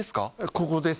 ここです。